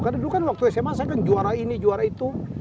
karena dulu kan waktu sma saya kan juara ini juara itu